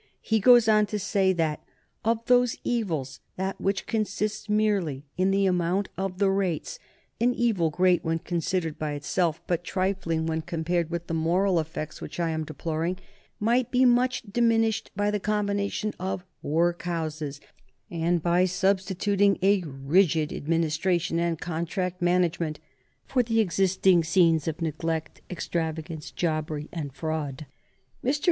He goes on to say that, "of those evils, that which consists merely in the amount of the rates an evil great when considered by itself, but trifling when compared with the moral effects which I am deploring might be much diminished by the combination of workhouses, and by substituting a rigid administration and contract management for the existing scenes of neglect, extravagance, jobbery, and fraud." Mr.